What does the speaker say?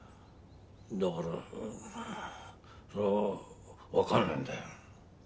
だからそれはわかんないんだよ。